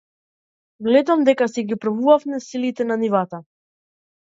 Гледам дека си ги пробуваме силите на нивата?